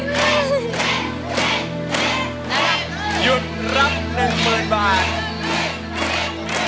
หยุดรับ๑๐๐๐บาท